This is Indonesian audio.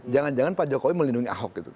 jangan jangan pak jokowi melindungi ahok gitu